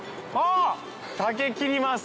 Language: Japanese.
「竹切ります」。